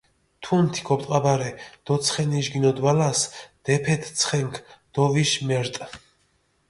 თუნთი გოპტყაბარე დო ცხენიშ გინოდვალას დეფეთჷ ცხენქ დო ვიშ მერტჷ.